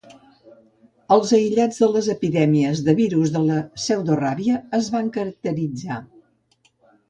Els aïllats de les epidèmies de virus de la pseudoràbia es van caracteritzar.